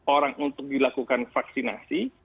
orang untuk dilakukan vaksinasi